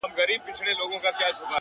زړورتیا د وېرو د ماتولو لومړی ګام دی.